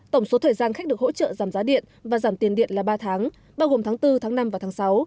tổng số thời gian khách được hỗ trợ giảm giá điện và giảm tiền điện là ba tháng bao gồm tháng bốn tháng năm và tháng sáu